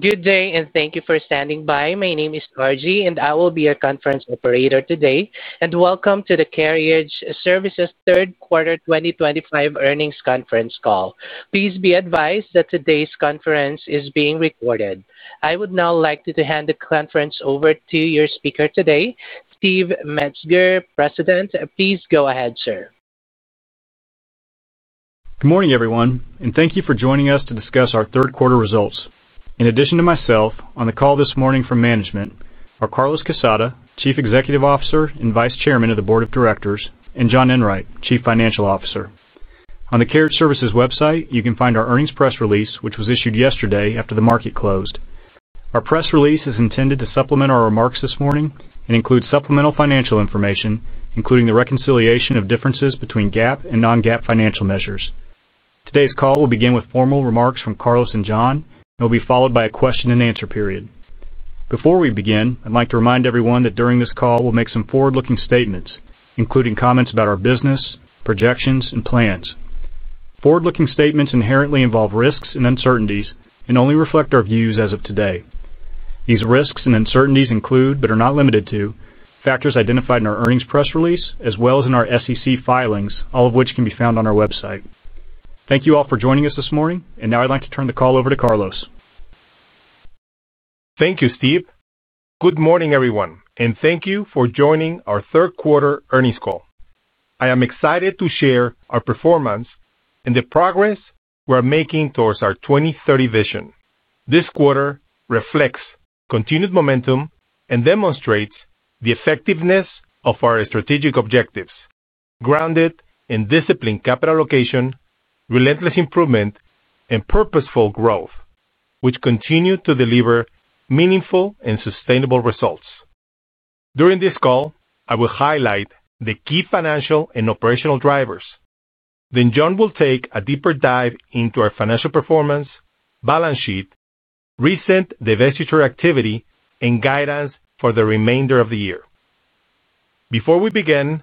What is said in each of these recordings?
Good day, and thank you for standing by. My name is Margie, and I will be your conference operator today. Welcome to the Carriage Services Third Quarter 2025 Earnings Conference Call. Please be advised that today's conference is being recorded. I would now like to hand the conference over to your speaker today, Steve Metzger, President. Please go ahead, sir. Good morning, everyone, and thank you for joining us to discuss our third quarter results. In addition to myself, on the call this morning from management are Carlos Quezada, Chief Executive Officer and Vice Chairman of the Board of Directors, and John Enwright, Chief Financial Officer. On the Carriage Services website, you can find our earnings press release, which was issued yesterday after the market closed. Our press release is intended to supplement our remarks this morning and include supplemental financial information, including the reconciliation of differences between GAAP and non-GAAP financial measures. Today's call will begin with formal remarks from Carlos and John, and will be followed by a question-and-answer period. Before we begin, I'd like to remind everyone that during this call, we'll make some forward-looking statements, including comments about our business, projections, and plans. Forward-looking statements inherently involve risks and uncertainties and only reflect our views as of today. These risks and uncertainties include, but are not limited to, factors identified in our earnings press release as well as in our SEC filings, all of which can be found on our website. Thank you all for joining us this morning, and now I'd like to turn the call over to Carlos. Thank you, Steve. Good morning, everyone, and thank you for joining our third quarter earnings call. I am excited to share our performance and the progress we are making towards our 2030 vision. This quarter reflects continued momentum and demonstrates the effectiveness of our strategic objectives grounded in disciplined capital allocation, relentless improvement, and purposeful growth, which continue to deliver meaningful and sustainable results. During this call, I will highlight the key financial and operational drivers. John will take a deeper dive into our financial performance, balance sheet, recent divestiture activity, and guidance for the remainder of the year. Before we begin,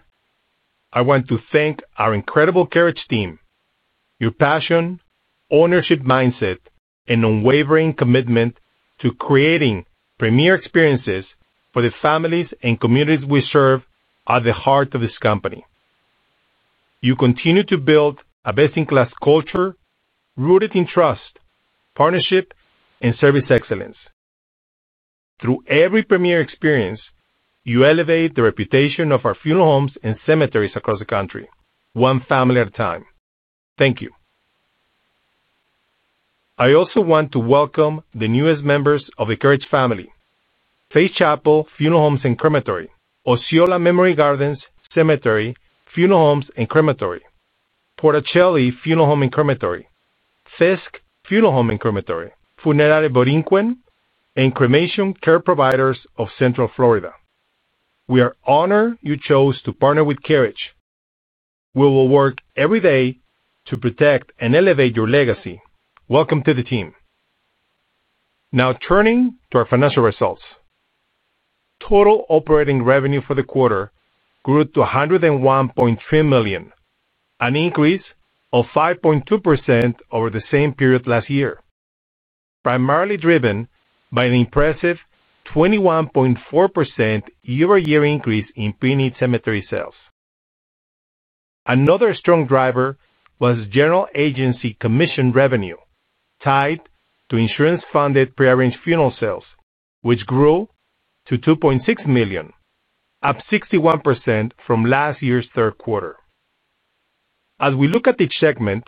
I want to thank our incredible Carriage team, your passion, ownership mindset, and unwavering commitment to creating premier experiences for the families and communities we serve are at the heart of this company. You continue to build a best-in-class culture rooted in trust, partnership, and service excellence. Through every premier experience, you elevate the reputation of our funeral homes and cemeteries across the country, one family at a time. Thank you. I also want to welcome the newest members of the Carriage family. Faith Chapel Funeral Homes and Crematory, Osceola Memory Gardens Cemetery Funeral Homes and Crematory, Porto Celli Funeral Home and Crematory, Fisk Funeral Home and Crematory, Funeral de Borinquen, and Cremation Care Providers of Central Florida. We are honored you chose to partner with Carriage. We will work every day to protect and elevate your legacy. Welcome to the team. Now turning to our financial results. Total operating revenue for the quarter grew to $101.3 million, an increase of 5.2% over the same period last year. Primarily driven by an impressive 21.4% year-over-year increase in pre-need cemetery sales. Another strong driver was general agency commission revenue tied to insurance-funded pre-arranged funeral sales, which grew to $2.6 million, up 61% from last year's third quarter. As we look at each segment.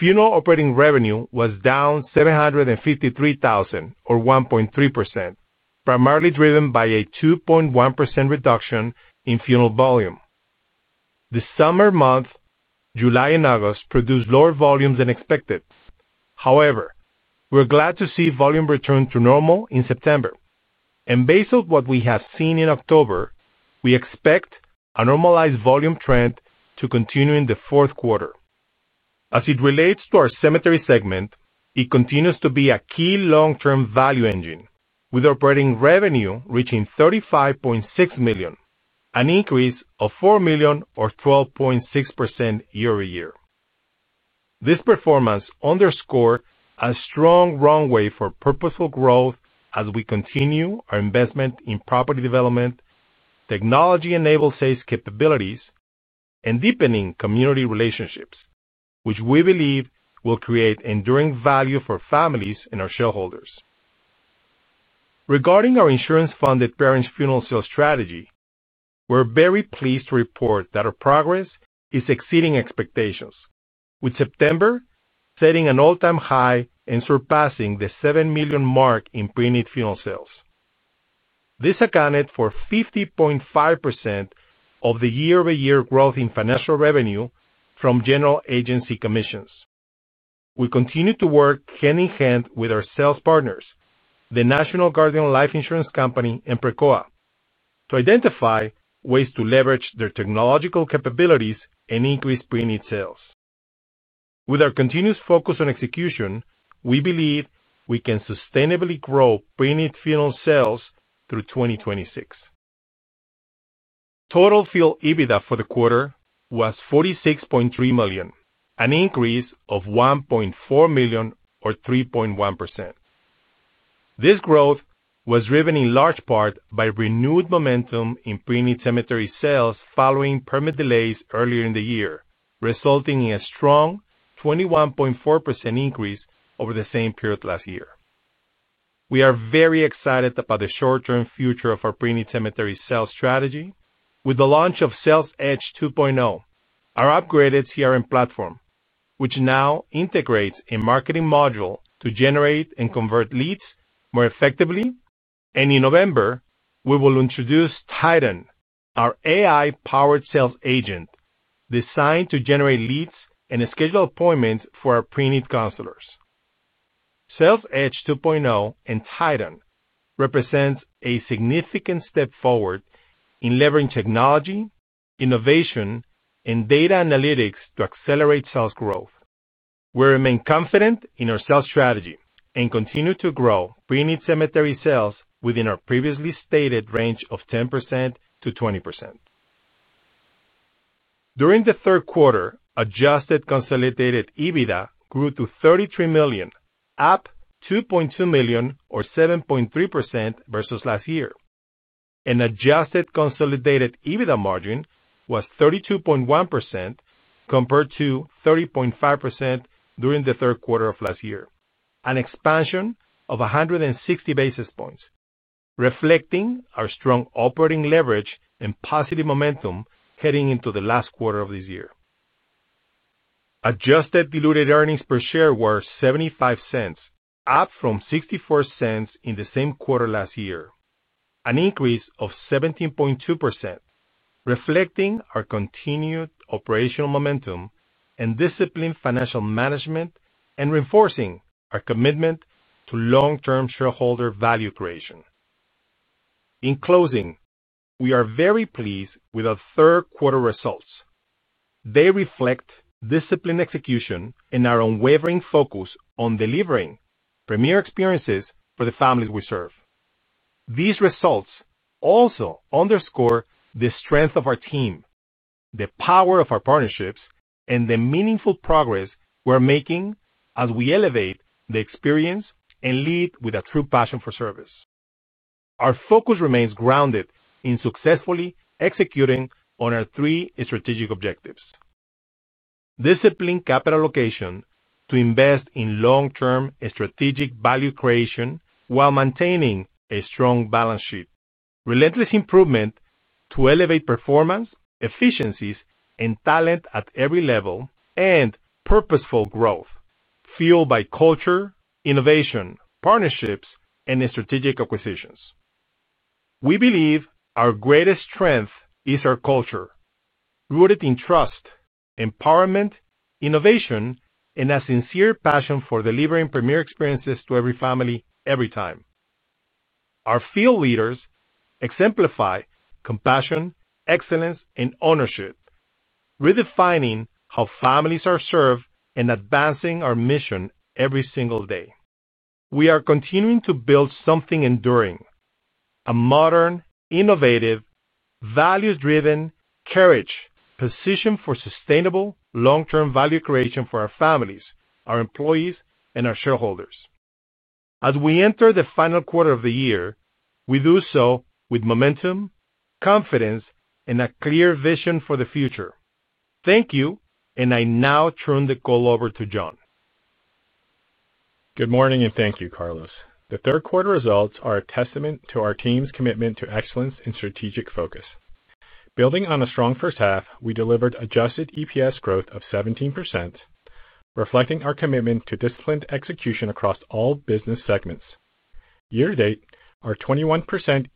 Funeral operating revenue was down $753,000, or 1.3%, primarily driven by a 2.1% reduction in funeral volume. The summer months, July and August, produced lower volumes than expected. However, we are glad to see volume return to normal in September. Based on what we have seen in October, we expect a normalized volume trend to continue in the fourth quarter. As it relates to our cemetery segment, it continues to be a key long-term value engine, with operating revenue reaching $35.6 million, an increase of $4 million, or 12.6% year-over-year. This performance underscores a strong runway for purposeful growth as we continue our investment in property development, technology-enabled sales capabilities, and deepening community relationships, which we believe will create enduring value for families and our shareholders. Regarding our insurance-funded preneed funeral sales strategy, we're very pleased to report that our progress is exceeding expectations, with September setting an all-time high and surpassing the $7 million mark in preneed funeral sales. This accounted for 50.5% of the year-over-year growth in financial revenue from general agency commissions. We continue to work hand-in-hand with our sales partners, the National Guardian Life Insurance Company and Precoa, to identify ways to leverage their technological capabilities and increase preneed sales. With our continuous focus on execution, we believe we can sustainably grow preneed funeral sales through 2026. Total field EBITDA for the quarter was $46.3 million, an increase of $1.4 million, or 3.1%. This growth was driven in large part by renewed momentum in pre-need cemetery sales following permit delays earlier in the year, resulting in a strong 21.4% increase over the same period last year. We are very excited about the short-term future of our pre-need cemetery sales strategy with the launch of Sales Edge 2.0, our upgraded CRM platform, which now integrates a marketing module to generate and convert leads more effectively. In November, we will introduce Titan, our AI-powered sales agent designed to generate leads and schedule appointments for our pre-need counselors. Sales Edge 2.0 and Titan represent a significant step forward in leveraging technology, innovation, and data analytics to accelerate sales growth. We remain confident in our sales strategy and continue to grow pre-need cemetery sales within our previously stated range of 10%-20%. During the third quarter, adjusted consolidated EBITDA grew to $33 million, up $2.2 million, or 7.3% versus last year. An adjusted consolidated EBITDA margin was 32.1%. Compared to 30.5% during the third quarter of last year, an expansion of 160 basis points, reflecting our strong operating leverage and positive momentum heading into the last quarter of this year. Adjusted diluted earnings per share were $0.75, up from $0.64 in the same quarter last year, an increase of 17.2%. Reflecting our continued operational momentum and disciplined financial management and reinforcing our commitment to long-term shareholder value creation. In closing, we are very pleased with our third quarter results. They reflect disciplined execution and our unwavering focus on delivering premier experiences for the families we serve. These results also underscore the strength of our team, the power of our partnerships, and the meaningful progress we are making as we elevate the experience and lead with a true passion for service. Our focus remains grounded in successfully executing on our three strategic objectives. Disciplined capital allocation to invest in long-term strategic value creation while maintaining a strong balance sheet. Relentless improvement to elevate performance, efficiencies, and talent at every level, and purposeful growth fueled by culture, innovation, partnerships, and strategic acquisitions. We believe our greatest strength is our culture, rooted in trust, empowerment, innovation, and a sincere passion for delivering premier experiences to every family, every time. Our field leaders exemplify compassion, excellence, and ownership. Redefining how families are served and advancing our mission every single day. We are continuing to build something enduring. A modern, innovative, values-driven Carriage position for sustainable long-term value creation for our families, our employees, and our shareholders. As we enter the final quarter of the year, we do so with momentum, confidence, and a clear vision for the future. Thank you, and I now turn the call over to John. Good morning, and thank you, Carlos. The third quarter results are a testament to our team's commitment to excellence and strategic focus. Building on a strong first half, we delivered adjusted EPS growth of 17%. Reflecting our commitment to disciplined execution across all business segments. Year-to-date, our 21%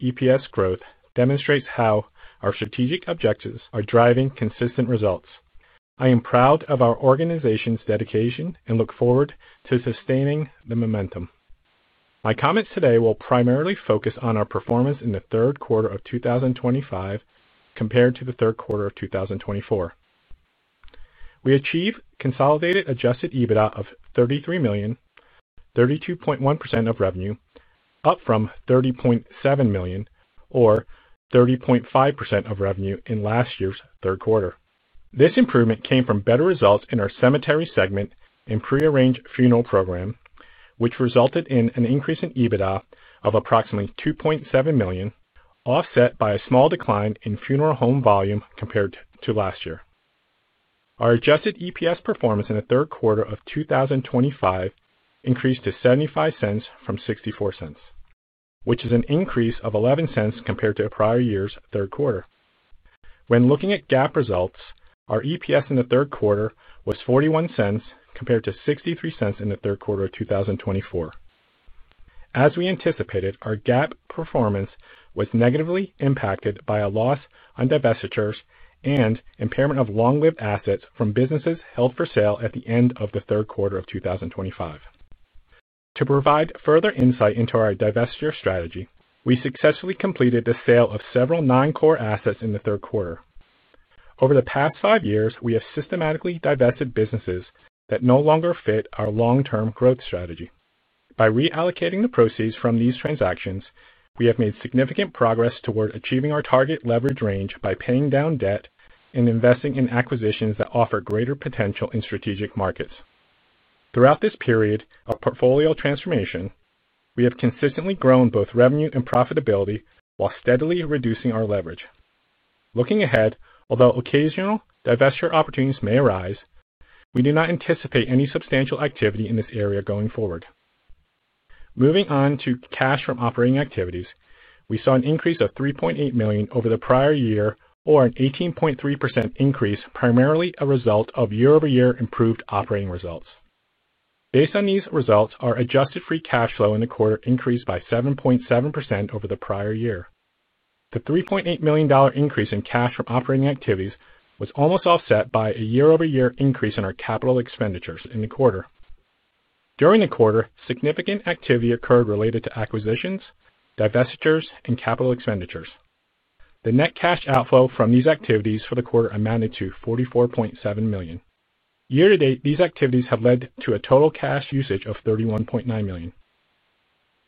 EPS growth demonstrates how our strategic objectives are driving consistent results. I am proud of our organization's dedication and look forward to sustaining the momentum. My comments today will primarily focus on our performance in the third quarter of 2025 compared to the third quarter of 2024. We achieved consolidated adjusted EBITDA of $33 million, 32.1% of revenue, up from $30.7 million, or 30.5% of revenue in last year's third quarter. This improvement came from better results in our cemetery segment and pre-arranged funeral program, which resulted in an increase in EBITDA of approximately $2.7 million, offset by a small decline in funeral home volume compared to last year. Our adjusted EPS performance in the third quarter of 2025 increased to $0.75 from $0.64, which is an increase of $0.11 compared to prior year's third quarter. When looking at GAAP results, our EPS in the third quarter was $0.41 compared to $0.63 in the third quarter of 2024. As we anticipated, our GAAP performance was negatively impacted by a loss on divestitures and impairment of long-lived assets from businesses held for sale at the end of the third quarter of 2025. To provide further insight into our divestiture strategy, we successfully completed the sale of several non-core assets in the third quarter. Over the past five years, we have systematically divested businesses that no longer fit our long-term growth strategy. By reallocating the proceeds from these transactions, we have made significant progress toward achieving our target leverage range by paying down debt and investing in acquisitions that offer greater potential in strategic markets. Throughout this period of portfolio transformation, we have consistently grown both revenue and profitability while steadily reducing our leverage. Looking ahead, although occasional divestiture opportunities may arise, we do not anticipate any substantial activity in this area going forward. Moving on to cash from operating activities, we saw an increase of $3.8 million over the prior year, or an 18.3% increase, primarily a result of year-over-year improved operating results. Based on these results, our adjusted free cash flow in the quarter increased by 7.7% over the prior year. The $3.8 million increase in cash from operating activities was almost offset by a year-over-year increase in our capital expenditures in the quarter. During the quarter, significant activity occurred related to acquisitions, divestitures, and capital expenditures. The net cash outflow from these activities for the quarter amounted to $44.7 million. Year-to-date, these activities have led to a total cash usage of $31.9 million.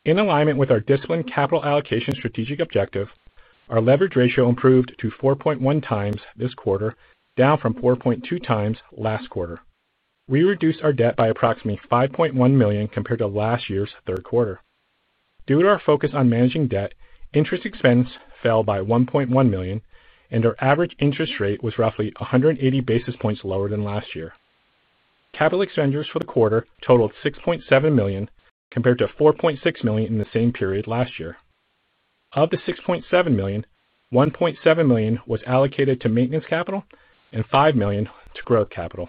In alignment with our disciplined capital allocation strategic objective, our leverage ratio improved to 4.1x this quarter, down from 4.2x last quarter. We reduced our debt by approximately $5.1 million compared to last year's third quarter. Due to our focus on managing debt, interest expense fell by $1.1 million, and our average interest rate was roughly 180 basis points lower than last year. Capital expenditures for the quarter totaled $6.7 million compared to $4.6 million in the same period last year. Of the $6.7 million, $1.7 million was allocated to maintenance capital and $5 million to growth capital.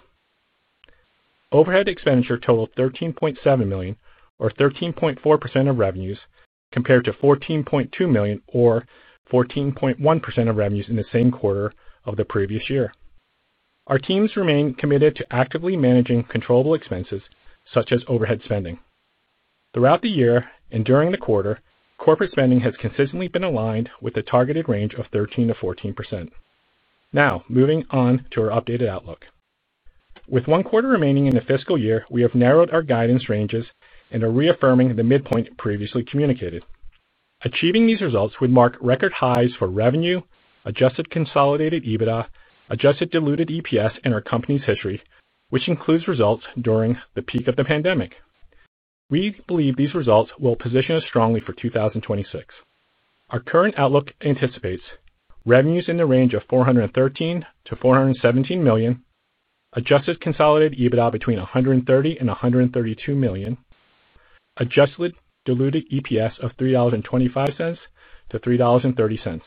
Overhead expenditure totaled $13.7 million, or 13.4% of revenues, compared to $14.2 million, or 14.1% of revenues in the same quarter of the previous year. Our teams remain committed to actively managing controllable expenses such as overhead spending. Throughout the year and during the quarter, corporate spending has consistently been aligned with the targeted range of 13%-14%. Now, moving on to our updated outlook. With one quarter remaining in the fiscal year, we have narrowed our guidance ranges and are reaffirming the midpoint previously communicated. Achieving these results would mark record highs for revenue, adjusted consolidated EBITDA, adjusted diluted EPS, and our company's history, which includes results during the peak of the pandemic. We believe these results will position us strongly for 2026. Our current outlook anticipates revenues in the range of $413 million-$417 million, adjusted consolidated EBITDA between $130 million-$132 million, adjusted diluted EPS of $3.25-$3.30.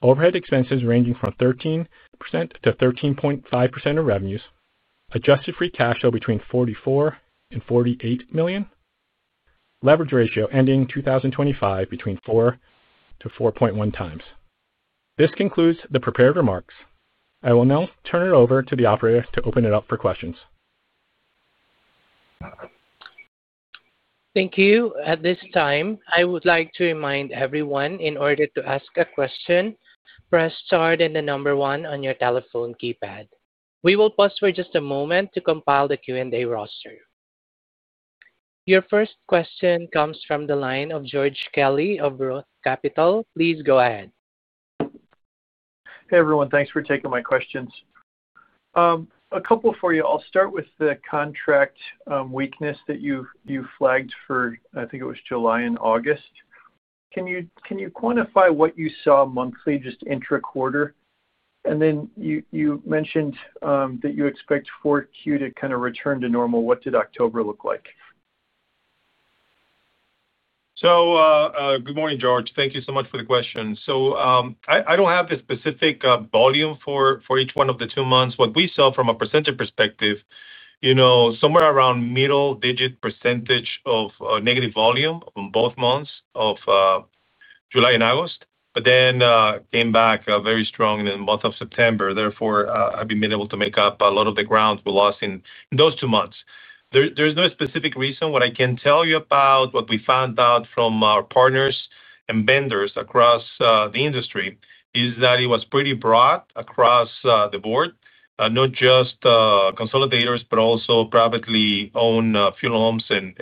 Overhead expenses ranging from 13%-13.5% of revenues, adjusted free cash flow between $44 million-$48 million. Leverage ratio ending 2025 between 4x-4.1x. This concludes the prepared remarks. I will now turn it over to the operator to open it up for questions. Thank you. At this time, I would like to remind everyone in order to ask a question press star and the number one on your telephone keypad. We will pause for just a moment to compile the Q&A roster. Your first question comes from the line of George Kelly of Roth Capital. Please go ahead. Hey, everyone. Thanks for taking my questions. A couple for you. I'll start with the contract weakness that you flagged for, I think it was July and August. Can you quantify what you saw monthly just intra-quarter? You mentioned that you expect 4Q to kind of return to normal. What did October look like? Good morning, George. Thank you so much for the question. I do not have the specific volume for each one of the two months. What we saw from a percentage perspective was somewhere around middle digit % of negative volume on both months of July and August, but then came back very strong in the month of September. Therefore, I have been able to make up a lot of the ground we lost in those two months. There is no specific reason. What I can tell you about what we found out from our partners and vendors across the industry is that it was pretty broad across the board, not just consolidators, but also privately owned funeral homes, and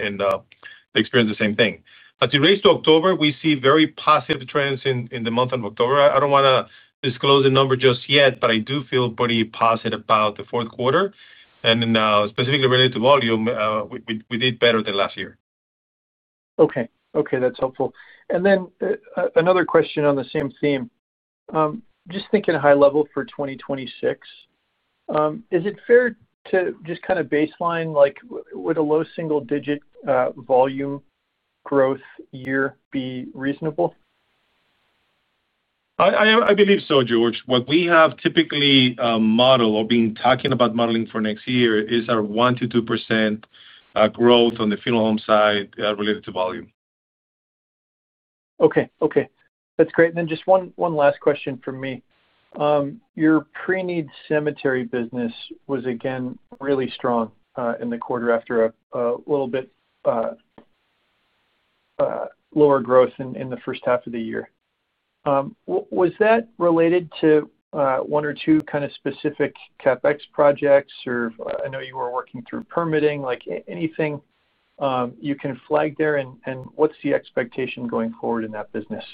experienced the same thing. As it relates to October, we see very positive trends in the month of October. I don't want to disclose the number just yet, but I do feel pretty positive about the fourth quarter. Specifically related to volume, we did better than last year. Okay. Okay. That's helpful. Then another question on the same theme. Just thinking high level for 2026. Is it fair to just kind of baseline with a low single-digit volume growth year be reasonable? I believe so, George. What we have typically modeled or been talking about modeling for next year is our 1%-2% growth on the funeral home side related to volume. Okay. Okay. That's great. Just one last question for me. Your pre-need cemetery business was again really strong in the quarter after a little bit lower growth in the first half of the year. Was that related to one or two kind of specific CapEx projects? I know you were working through permitting. Anything you can flag there? What's the expectation going forward in that business?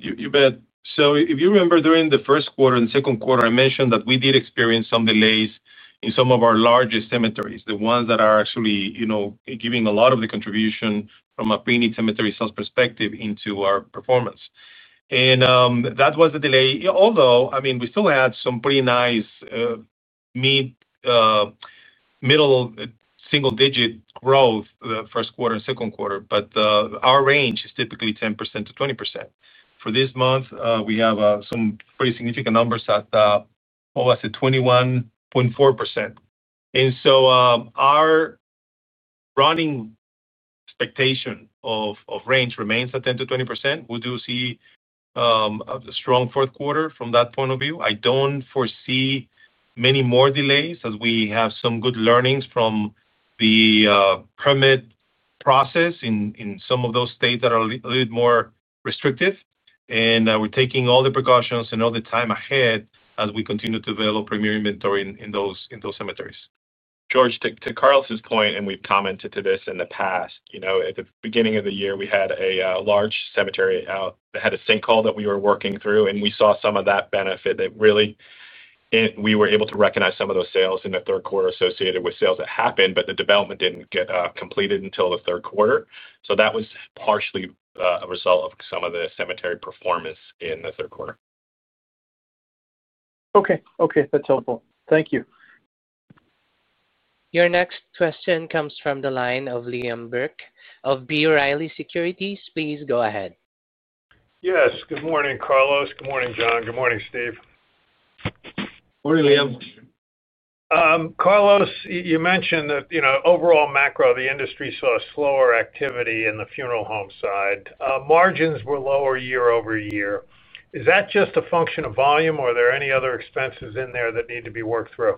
You bet. If you remember, during the first quarter and second quarter, I mentioned that we did experience some delays in some of our largest cemeteries, the ones that are actually giving a lot of the contribution from a pre-need cemetery sales perspective into our performance. That was the delay. Although, I mean, we still had some pretty nice middle single-digit growth the first quarter and second quarter. Our range is typically 10%-20%. For this month, we have some pretty significant numbers at almost 21.4%. Our running expectation of range remains at 10%-20%. We do see a strong fourth quarter from that point of view. I do not foresee many more delays as we have some good learnings from the permit process in some of those states that are a little bit more restrictive. We are taking all the precautions and all the time ahead as we continue to develop premier inventory in those cemeteries. George, to Carlos's point, and we've commented to this in the past. At the beginning of the year, we had a large cemetery out that had a sinkhole that we were working through. We saw some of that benefit that really, we were able to recognize some of those sales in the third quarter associated with sales that happened, but the development did not get completed until the third quarter. That was partially a result of some of the cemetery performance in the third quarter. Okay. Okay. That's helpful. Thank you. Your next question comes from the line of Liam Burke of B. Riley Securities. Please go ahead. Yes. Good morning, Carlos. Good morning, John. Good morning, Steve. Morning, Liam. Carlos, you mentioned that overall macro, the industry saw slower activity in the funeral home side. Margins were lower year over year. Is that just a function of volume, or are there any other expenses in there that need to be worked through?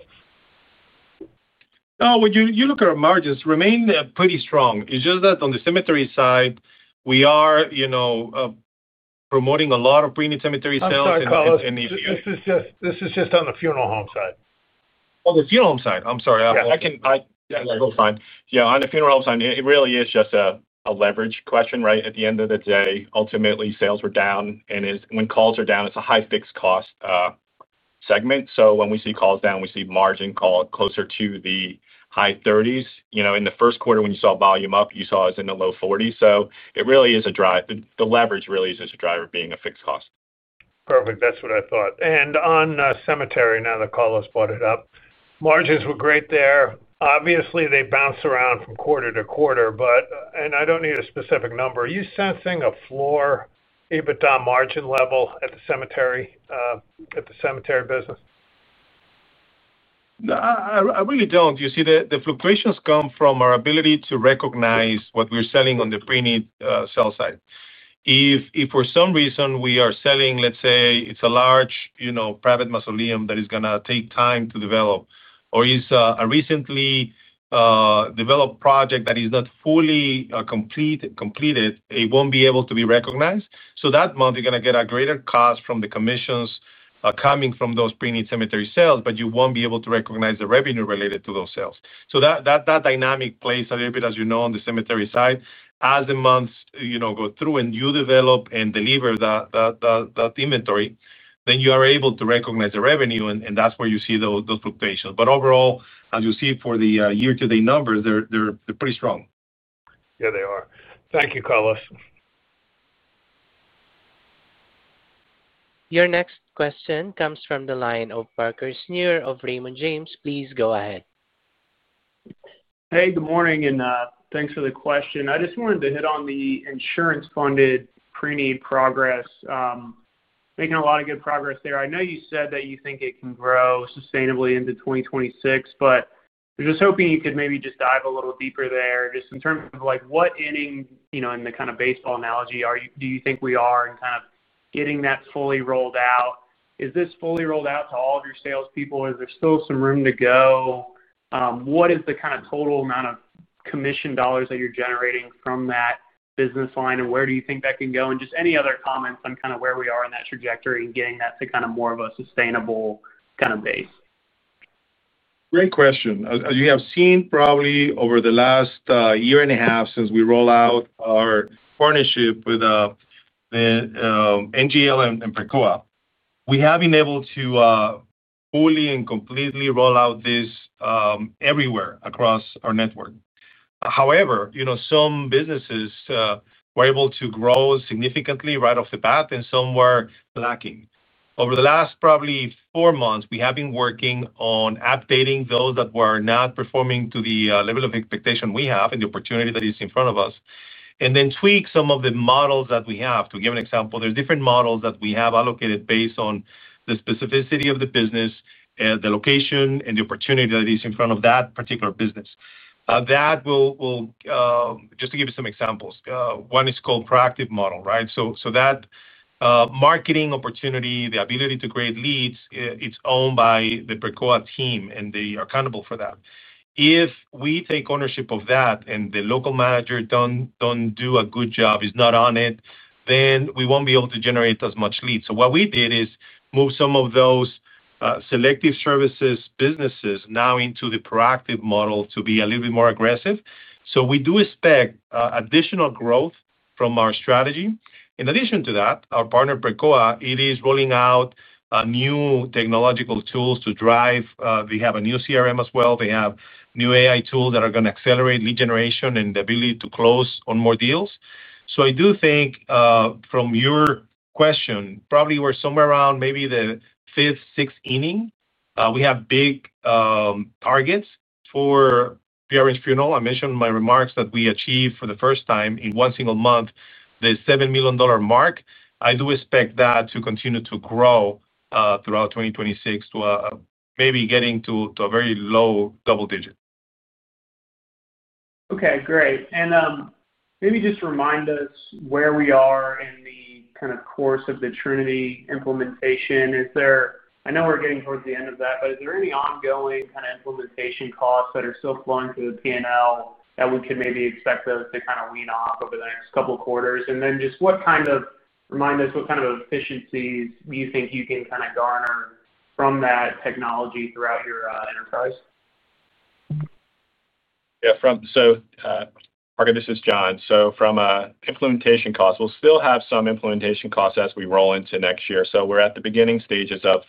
No. When you look at our margins, remain pretty strong. It's just that on the cemetery side, we are promoting a lot of pre-need cemetery sales in this year. I'm sorry, Carlos. This is just on the funeral home side. On the funeral home side, I'm sorry. Yeah. That's fine. Yeah. On the funeral home side, it really is just a leverage question, right? At the end of the day, ultimately, sales were down. When calls are down, it's a high fixed cost segment. When we see calls down, we see margin closer to the high-30s. In the first quarter, when you saw volume up, you saw it was in the low-40s. It really is a drive. The leverage really is just a driver being a fixed cost. Perfect. That's what I thought. On cemetery, now that Carlos brought it up, margins were great there. Obviously, they bounced around from quarter to quarter. I don't need a specific number. Are you sensing a floor EBITDA margin level at the cemetery business? I really don't. You see, the fluctuations come from our ability to recognize what we're selling on the pre-need sell side. If for some reason we are selling, let's say, it's a large private mausoleum that is going to take time to develop, or it's a recently developed project that is not fully completed, it won't be able to be recognized. That month, you're going to get a greater cost from the commissions coming from those pre-need cemetery sales, but you won't be able to recognize the revenue related to those sales. That dynamic plays a little bit, as you know, on the cemetery side. As the months go through and you develop and deliver that inventory, then you are able to recognize the revenue, and that's where you see those fluctuations. Overall, as you see for the year-to-date numbers, they're pretty strong. Yeah, they are. Thank you, Carlos. Your next question comes from the line of Parker Snure of Raymond James. Please go ahead. Hey, good morning. Thanks for the question. I just wanted to hit on the insurance-funded pre-need progress. Making a lot of good progress there. I know you said that you think it can grow sustainably into 2026, but I'm just hoping you could maybe just dive a little deeper there just in terms of what inning in the kind of baseball analogy, do you think we are in kind of getting that fully rolled out? Is this fully rolled out to all of your salespeople? Is there still some room to go? What is the kind of total amount of commission dollars that you're generating from that business line, and where do you think that can go? Any other comments on kind of where we are in that trajectory and getting that to kind of more of a sustainable kind of base? Great question. As you have seen, probably over the last year and a half since we rolled out our partnership with NGL and Precoa, we have been able to fully and completely roll out this everywhere across our network. However, some businesses were able to grow significantly right off the bat, and some were lacking. Over the last probably four months, we have been working on updating those that were not performing to the level of expectation we have and the opportunity that is in front of us, and then tweak some of the models that we have. To give an example, there are different models that we have allocated based on the specificity of the business, the location, and the opportunity that is in front of that particular business. That will. Just to give you some examples. One is called Proactive Model, right? So that. Marketing opportunity, the ability to create leads, it's owned by the Precoa team, and they are accountable for that. If we take ownership of that and the local manager doesn't do a good job, is not on it, then we won't be able to generate as much leads. What we did is move some of those selective services businesses now into the Proactive Model to be a little bit more aggressive. We do expect additional growth from our strategy. In addition to that, our partner Precoa, it is rolling out new technological tools to drive. They have a new CRM as well. They have new AI tools that are going to accelerate lead generation and the ability to close on more deals. I do think from your question, probably we're somewhere around maybe the fifth, sixth inning. We have big targets for PRH Funeral. I mentioned in my remarks that we achieved for the first time in one single month the $7 million mark. I do expect that to continue to grow throughout 2026 to maybe getting to a very low double digit. Okay. Great. Maybe just remind us where we are in the kind of course of the Trinity implementation. I know we're getting towards the end of that, but is there any ongoing kind of implementation costs that are still flowing through the P&L that we could maybe expect those to kind of wean off over the next couple of quarters? Just remind us what kind of efficiencies do you think you can kind of garner from that technology throughout your enterprise? Yeah. This is John. From implementation costs, we'll still have some implementation costs as we roll into next year. We're at the beginning stages of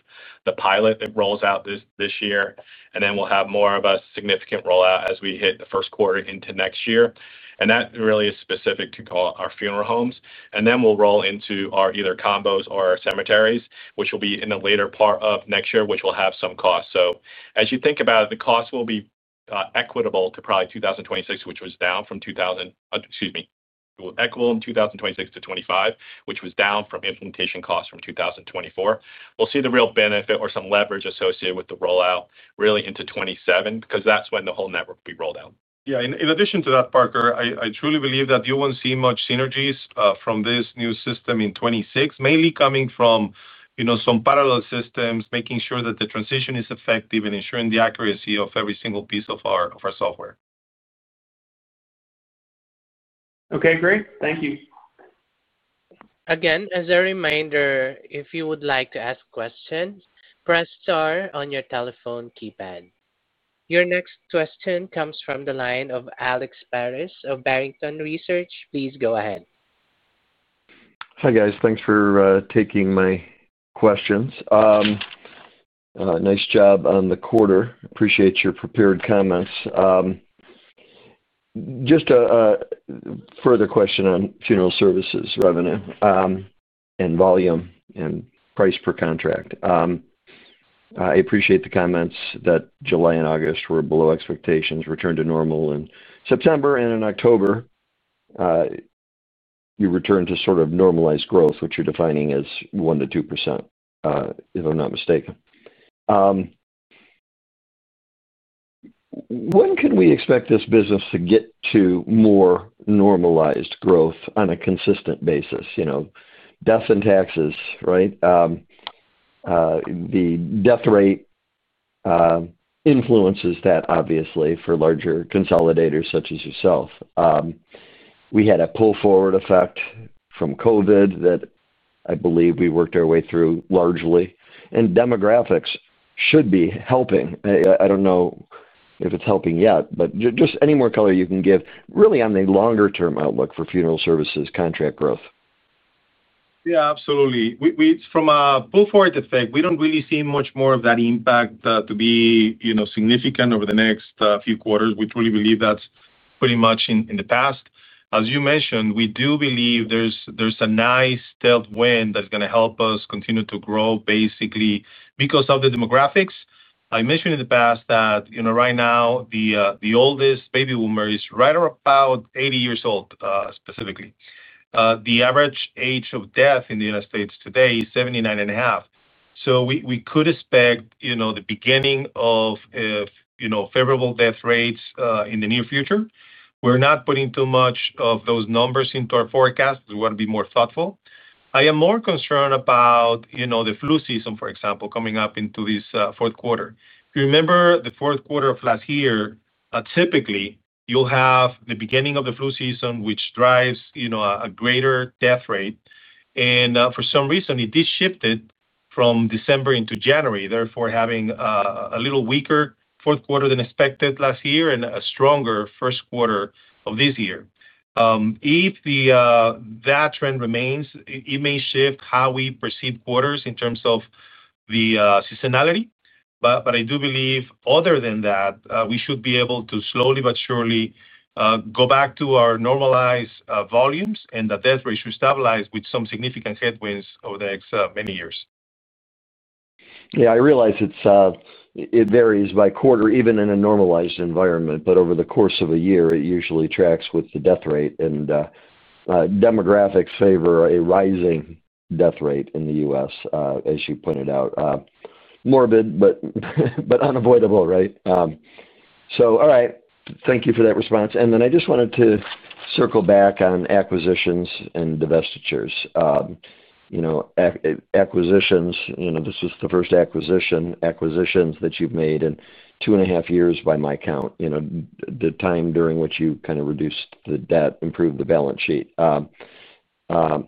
the pilot. It rolls out this year, and we'll have more of a significant rollout as we hit the first quarter into next year. That really is specific to our funeral homes. Then we'll roll into our either combos or cemeteries, which will be in the later part of next year, which will have some costs. As you think about it, the cost will be equitable to probably 2026, which was down from 2000, excuse me, equitable in 2026 to 2025, which was down from implementation costs from 2024. We'll see the real benefit or some leverage associated with the rollout really into 2027 because that's when the whole network will be rolled out. Yeah. In addition to that, Parker, I truly believe that you won't see much synergies from this new system in 2026, mainly coming from some parallel systems, making sure that the transition is effective and ensuring the accuracy of every single piece of our software. Okay. Great. Thank you. Again, as a reminder, if you would like to ask questions, press star on your telephone keypad. Your next question comes from the line of Alex Paris of Barrington Research. Please go ahead. Hi, guys. Thanks for taking my questions. Nice job on the quarter. Appreciate your prepared comments. Just a further question on funeral services revenue and volume and price per contract. I appreciate the comments that July and August were below expectations, returned to normal in September, and in October you returned to sort of normalized growth, which you're defining as 1%-2%. If I'm not mistaken, when can we expect this business to get to more normalized growth on a consistent basis? Deaths and taxes, right? The death rate influences that, obviously, for larger consolidators such as yourself. We had a pull-forward effect from COVID that I believe we worked our way through largely, and demographics should be helping. I don't know if it's helping yet, but just any more color you can give really on the longer-term outlook for funeral services contract growth. Yeah, absolutely. From a pull-forward effect, we do not really see much more of that impact to be significant over the next few quarters. We truly believe that is pretty much in the past. As you mentioned, we do believe there is a nice stealth win that is going to help us continue to grow, basically, because of the demographics. I mentioned in the past that right now, the oldest baby boomer is right about 80 years old, specifically. The average age of death in the U.S. today is 79.5. We could expect the beginning of favorable death rates in the near future. We are not putting too much of those numbers into our forecast. We want to be more thoughtful. I am more concerned about the flu season, for example, coming up into this fourth quarter. You remember the fourth quarter of last year, typically, you'll have the beginning of the flu season, which drives a greater death rate. For some reason, it did shift from December into January, therefore having a little weaker fourth quarter than expected last year and a stronger first quarter of this year. If that trend remains, it may shift how we perceive quarters in terms of the seasonality. I do believe, other than that, we should be able to slowly but surely go back to our normalized volumes and the death rates should stabilize with some significant headwinds over the next many years. Yeah. I realize it varies by quarter, even in a normalized environment. Over the course of a year, it usually tracks with the death rate. Demographics favor a rising death rate in the U.S., as you pointed out. Morbid, but unavoidable, right? All right. Thank you for that response. I just wanted to circle back on acquisitions and divestitures. Acquisitions, this is the first acquisition, acquisitions that you've made in two and a half years by my count, the time during which you kind of reduced the debt, improved the balance sheet. First of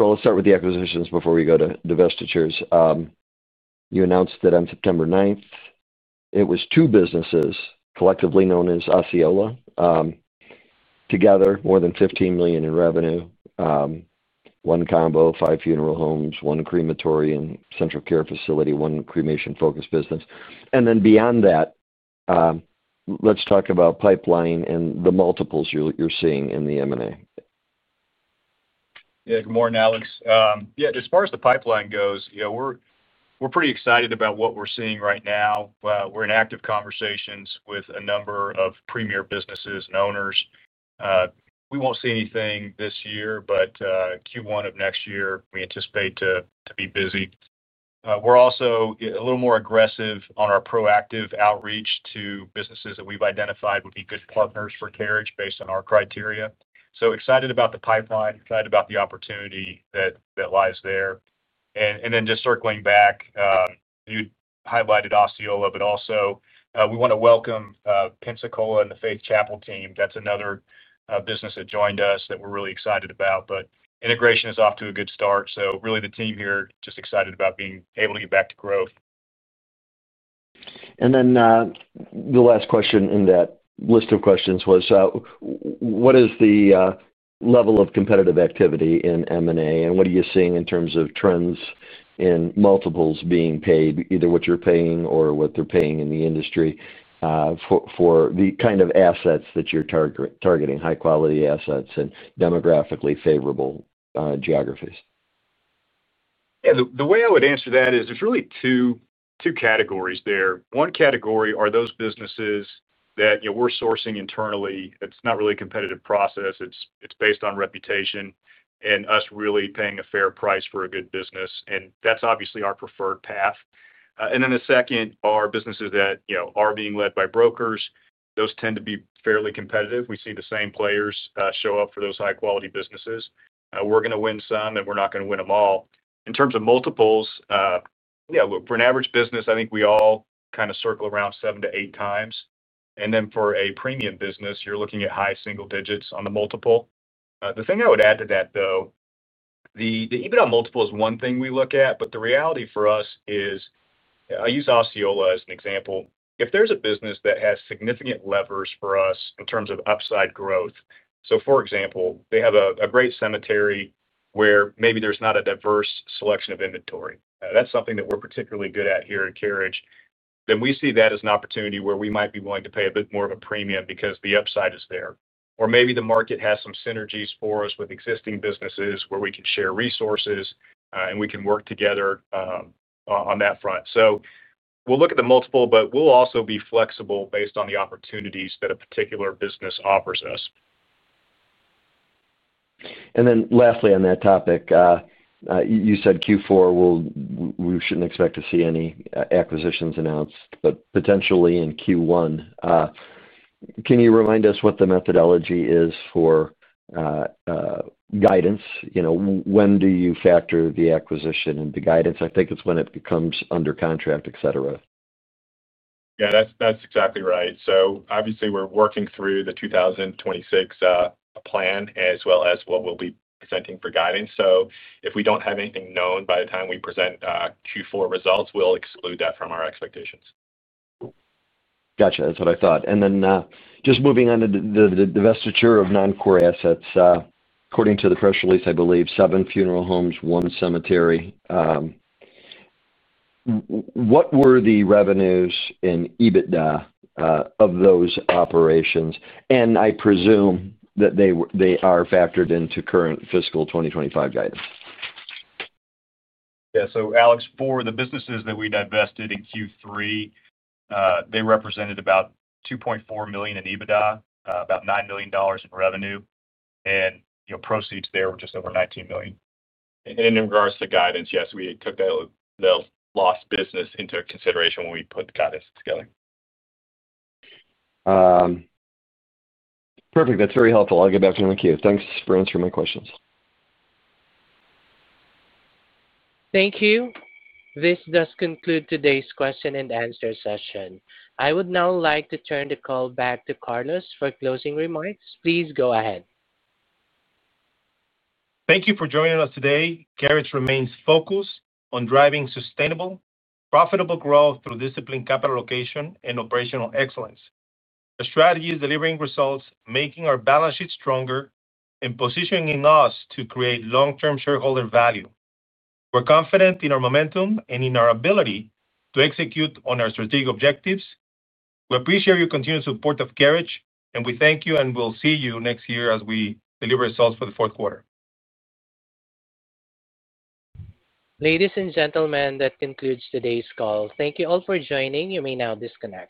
all, let's start with the acquisitions before we go to divestitures. You announced that on September 9, it was two businesses collectively known as Osceola. Together, more than $15 million in revenue. One combo, five funeral homes, one crematory and central care facility, one cremation-focused business. Beyond that. Let's talk about pipeline and the multiples you're seeing in the M&A. Yeah. Good morning, Alex. Yeah. As far as the pipeline goes, we're pretty excited about what we're seeing right now. We're in active conversations with a number of premier businesses and owners. We won't see anything this year, but Q1 of next year, we anticipate to be busy. We're also a little more aggressive on our proactive outreach to businesses that we've identified would be good partners for Carriage based on our criteria. Excited about the pipeline, excited about the opportunity that lies there. And then just circling back. You highlighted Osceola, but also we want to welcome Pensacola and the Faith Chapel team. That's another business that joined us that we're really excited about. Integration is off to a good start. Really, the team here is just excited about being able to get back to growth. The last question in that list of questions was, what is the level of competitive activity in M&A? What are you seeing in terms of trends in multiples being paid, either what you're paying or what they're paying in the industry, for the kind of assets that you're targeting, high-quality assets and demographically favorable geographies? Yeah. The way I would answer that is there's really two categories there. One category are those businesses that we're sourcing internally. It's not really a competitive process. It's based on reputation and us really paying a fair price for a good business. That's obviously our preferred path. The second are businesses that are being led by brokers. Those tend to be fairly competitive. We see the same players show up for those high-quality businesses. We're going to win some, and we're not going to win them all. In terms of multiples. Yeah, for an average business, I think we all kind of circle around 7x-8x. For a premium business, you're looking at high single digits on the multiple. The thing I would add to that, though. The EBITDA multiple is one thing we look at, but the reality for us is. I use Osceola as an example. If there's a business that has significant levers for us in terms of upside growth, for example, they have a great cemetery where maybe there's not a diverse selection of inventory, that's something that we're particularly good at here at Carriage, then we see that as an opportunity where we might be willing to pay a bit more of a premium because the upside is there. Maybe the market has some synergies for us with existing businesses where we can share resources, and we can work together on that front. We'll look at the multiple, but we'll also be flexible based on the opportunities that a particular business offers us. Lastly, on that topic. You said Q4, we shouldn't expect to see any acquisitions announced, but potentially in Q1. Can you remind us what the methodology is for guidance? When do you factor the acquisition in the guidance? I think it's when it becomes under contract, etc. Yeah. That's exactly right. Obviously, we're working through the 2026 plan as well as what we'll be presenting for guidance. If we don't have anything known by the time we present Q4 results, we'll exclude that from our expectations. Gotcha. That's what I thought. Just moving on to the divestiture of non-core assets, according to the press release, I believe seven funeral homes, one cemetery. What were the revenues and EBITDA of those operations? I presume that they are factored into current fiscal 2025 guidance. Yeah. Alex, for the businesses that we divested in Q3, they represented about $2.4 million in EBITDA, about $9 million in revenue. Proceeds there were just over $19 million. In regards to guidance, yes, we took the lost business into consideration when we put the guidance together. Perfect. That's very helpful. I'll get back to you in a few minutes. Thanks for answering my questions. Thank you. This does conclude today's question and answer session. I would now like to turn the call back to Carlos for closing remarks. Please go ahead. Thank you for joining us today. Carriage remains focused on driving sustainable, profitable growth through disciplined capital allocation and operational excellence. The strategy is delivering results, making our balance sheet stronger, and positioning us to create long-term shareholder value. We're confident in our momentum and in our ability to execute on our strategic objectives. We appreciate your continued support of Carriage, and we thank you, and we'll see you next year as we deliver results for the fourth quarter. Ladies and gentlemen, that concludes today's call. Thank you all for joining. You may now disconnect.